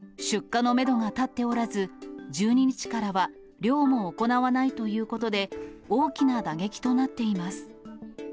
出荷のメドが立っておらず、１２日からは、漁も行わないということで、大きな打撃となっています。